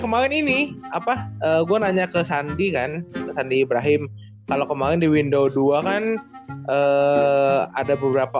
kemarin ini apa schneider andi dan kelembab di itu mut kamang di windows dua kan eh ada beberapa